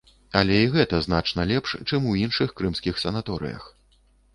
Але і гэта значна лепш, чым у іншых крымскіх санаторыях.